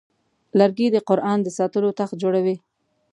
لرګی د قرآن د ساتلو تخت جوړوي.